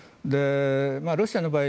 ロシアの場合